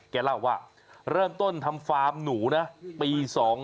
เล่าว่าเริ่มต้นทำฟาร์มหนูนะปี๒๕๖